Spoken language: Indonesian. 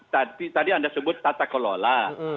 tadi anda sebut tata kelola